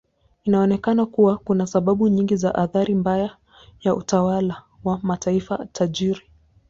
Inaonekana kuwa kuna sababu nyingi za athari mbaya ya utawala wa mataifa tajiri.